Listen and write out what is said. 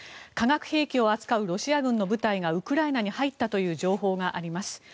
化学兵器を扱うロシア軍の部隊がウクライナに入ったという情報があります。